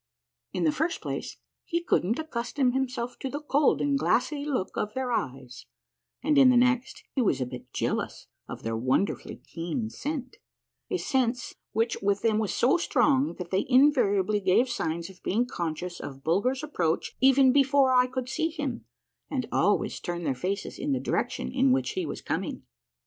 In the first place he couldn't accustom' himself to the cold and glassy look of their eyes, and in the next he was a bit jealous of their won derfully keen scent — a sense which with them was so strong that they invariably gave signs of being conscious of Bulger's approach even before I could see him, and always turned their faces in the direction in which he was coming.